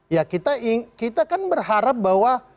ya kita kan berharap bahwa